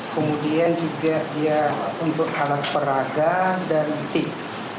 kemudian juga dia untuk halal peraga dan tik